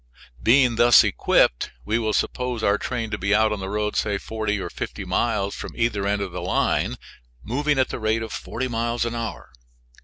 Being thus equipped, we will suppose our train to be out on the road forty or fifty miles from either end of the line, moving at the rate of forty miles an hour.